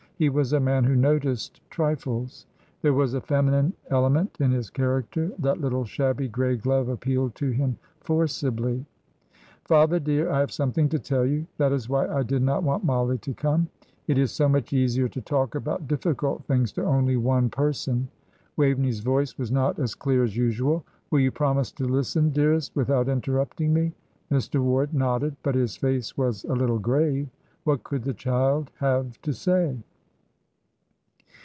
He was a man who noticed trifles; there was a feminine element in his character. That little shabby grey glove appealed to him forcibly. "Father, dear, I have something to tell you that is why I did not want Mollie to come; it is so much easier to talk about difficult things to only one person." Waveney's voice was not as clear as usual. "Will you promise to listen, dearest, without interrupting me?" Mr. Ward nodded, but his face was a little grave. What could the child have to say?